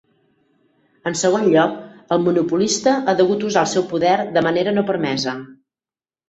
En segon lloc, el monopolista ha degut usar el seu poder de manera no permesa.